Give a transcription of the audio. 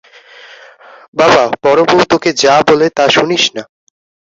বাবা, বড়োবউ তোকে যা বলে তা শুনিস না।